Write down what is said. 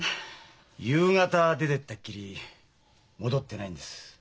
夕方出てったきり戻ってないんです。